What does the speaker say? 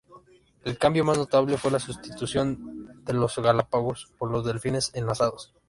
El cambio más notable fue la sustitución de los galápagos por dos delfines enlazados.